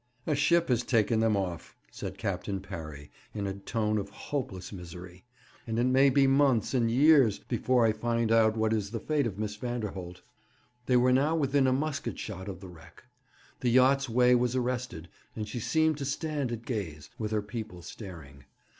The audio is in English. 'A ship has taken them off,' said Captain Parry, in a tone of hopeless misery; 'and it may be months and years before I find out what is the fate of Miss Vanderholt.' They were now within a musket shot of the wreck. The yacht's way was arrested, and she seemed to stand at gaze, with her people staring.